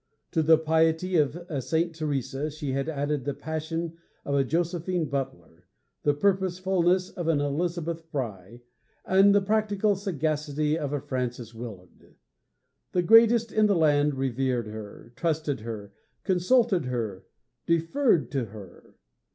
To the piety of a Saint Teresa she added the passion of a Josephine Butler, the purposefulness of an Elizabeth Fry, and the practical sagacity of a Frances Willard. The greatest in the land revered her, trusted her, consulted her, deferred to her.